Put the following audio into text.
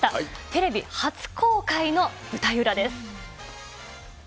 テレビ初公開の舞台裏です。